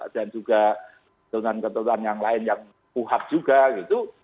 dan juga dengan ketentuan yang lain yang puhat juga gitu